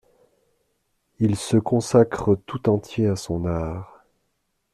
Il se consacre tout entier à son art.